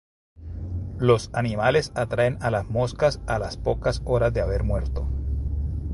Los animales atraen a las moscas a las pocas horas de haber muerto.